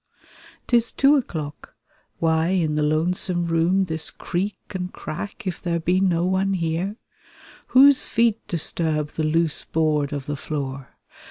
'Tis two o'clock ! Why in the lonesome room This creak and crack, if there be no one here? Whose feet disturb the loose board of the floor?